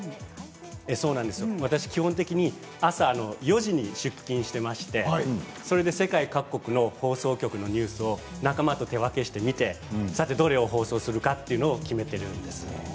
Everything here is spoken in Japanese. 私は基本的に朝４時に出勤していましてそれで世界各国の放送局のニュースを仲間と手分けして見てどれを放送するかというのを決めているんです。